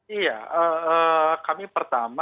iya kami pertama